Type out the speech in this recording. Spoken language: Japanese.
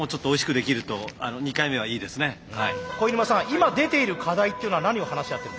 今出ている課題っていうのは何を話し合ってるんですか？